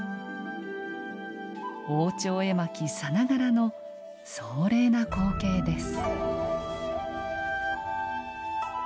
王朝絵巻さながらの壮麗な光景です。